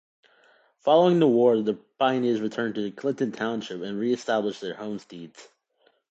Following the war the pioneers returned to Clinton Township and reestablished their homesteads.